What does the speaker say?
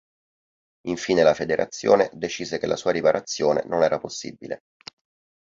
Infine la Federazione decise che la sua riparazione non era possibile.